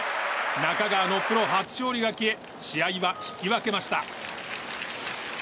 中川のプロ初勝利が消え試合は引き分けました。